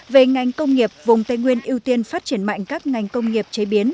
về ngành công nghiệp vùng tây nguyên ưu tiên phát triển mạnh các ngành công nghiệp chế biến